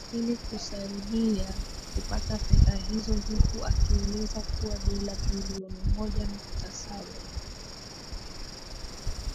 ili kusaidia kupata fedha hizo huku akieleza kuwa dola bilioni moja nukta saba